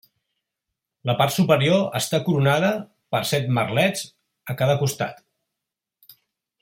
La part superior està coronada per set merlets a cada costat.